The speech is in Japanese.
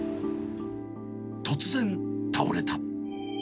突然、倒れた。